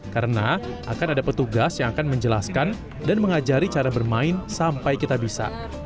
karena akan ada petugas yang akan menjelaskan dan mengajari cara bermain sampai kita bisa